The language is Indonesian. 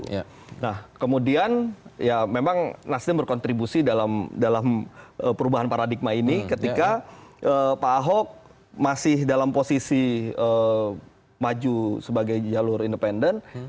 nah kemudian ya memang nasdem berkontribusi dalam perubahan paradigma ini ketika pak ahok masih dalam posisi maju sebagai jalur independen